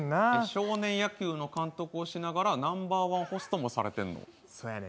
少年野球の監督をしながらナンバーワンホストもしてんの？